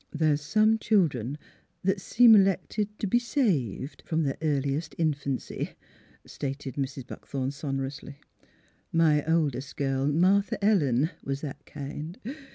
'''' There's some children that seem 'lected t' be saved from their earliest infancy," stated Mrs. Buckthorn, sonorously. '' My oldest girl, Martha Ellen, was that kind.